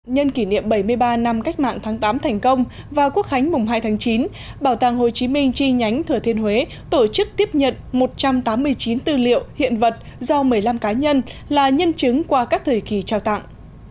nhân kỷ niệm bảy mươi ba năm cách mạng tháng tám thành công và quốc khánh mùng hai tháng chín bảo tàng hồ chí minh chi nhánh thừa thiên huế tổ chức tiếp nhận một trăm tám mươi chín tư liệu hiện vật do một mươi năm cá nhân là nhân chứng qua các thời kỳ trao tặng